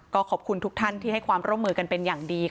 ก็ขอบคุณทุกท่านที่ให้ความร่วมมือกันเป็นอย่างดี